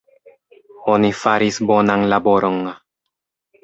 Oni faris bonan laboron.